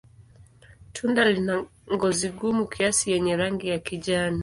Tunda lina ngozi gumu kiasi yenye rangi ya kijani.